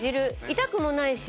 痛くもないし。